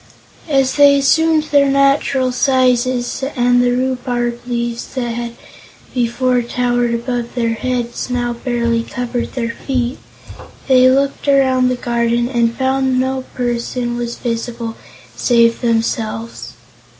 As they assumed their natural sizes and the rhubarb leaves that had before towered above their heads now barely covered their feet, they looked around the garden and found that no person was visible save themselves.